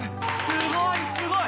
すごいすごい！